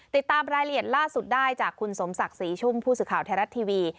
ติดตามรายละเอียดล่าสุดได้จากคุณสมศักดิ์ศรีชุ่มผู้สื่อข่าวไทยรัฐทีวี